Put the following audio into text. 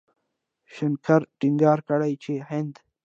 شنکر ټينګار کړی چې هند